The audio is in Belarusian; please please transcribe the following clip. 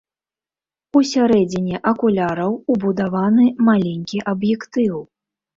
У сярэдзіне акуляраў убудаваны маленькі аб'ектыў.